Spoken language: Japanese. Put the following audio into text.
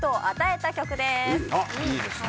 いいですね。